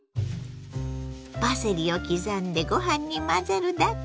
パセリを刻んでご飯に混ぜるだけ！